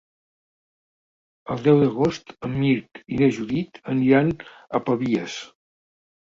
El deu d'agost en Mirt i na Judit aniran a Pavies.